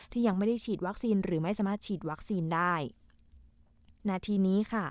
ยังไม่ได้ฉีดวัคซีนหรือไม่สามารถฉีดวัคซีนได้นาทีนี้ค่ะ